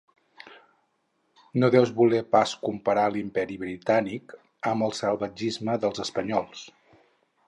No deus voler pas comparar l'imperi britànic amb el salvatgisme dels espanyols!